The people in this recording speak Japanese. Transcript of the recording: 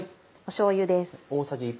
しょうゆです。